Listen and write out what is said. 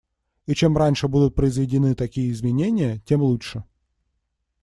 И чем раньше будут произведены такие изменения, тем лучше.